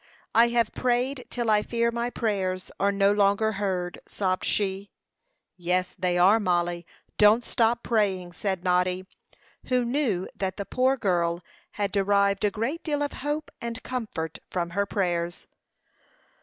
"I have prayed till I fear my prayers are no longer heard," sobbed she. "Yes, they are, Mollie. Don't stop praying," said Noddy, who knew that the poor girl had derived a great deal of hope and comfort from her prayers.